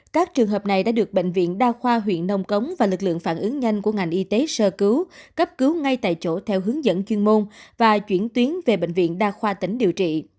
các trường hợp này đã được bệnh viện đa khoa huyện nông cống và lực lượng phản ứng nhanh của ngành y tế sơ cứu cấp cứu ngay tại chỗ theo hướng dẫn chuyên môn và chuyển tuyến về bệnh viện đa khoa tỉnh điều trị